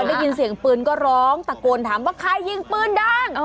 ได้ยินเสียงปืนก็ร้องตะโกนถามว่าใครยิงปืนดัง